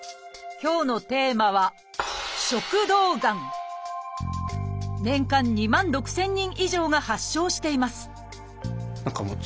今日のテーマは年間２万６，０００人以上が発症しています